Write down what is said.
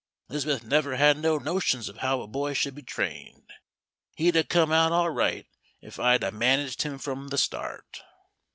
Liz'beth never had no notions of how a boy should be trained. He'd a' come out all right if I'd a' managed him from the start."